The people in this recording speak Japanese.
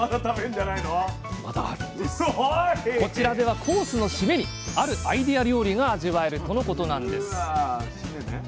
こちらではコースのシメにあるアイデア料理が味わえるとのことなんです